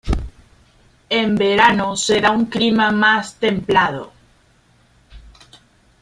En verano se da un clima más templado.